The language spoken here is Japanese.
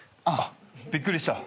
びっくりした。